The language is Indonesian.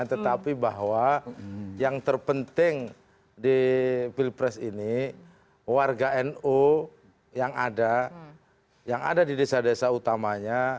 tetapi bahwa yang terpenting di pilpres ini warga nu yang ada yang ada di desa desa utamanya